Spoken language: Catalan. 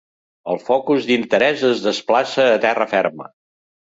El focus d'interès es desplaça a terra ferma.